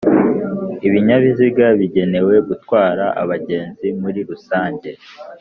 ibinyabiziga bigenewe gutwara abagenzi muri rusange